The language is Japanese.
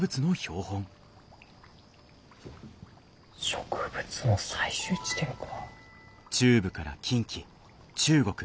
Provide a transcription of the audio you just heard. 植物の採集地点か。